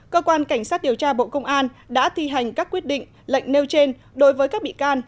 cơ quan cảnh sát điều tra bộ công an đã thi hành các quyết định lệnh nêu trên đối với các bị can